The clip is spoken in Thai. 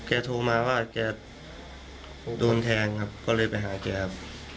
โทรมาว่าแกโดนแทงครับก็เลยไปหาแกครับ